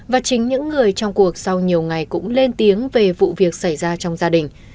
và chính những người trong cuộc sau nhiều ngày cũng lên tiếng về vụ việc xảy ra trong gia đình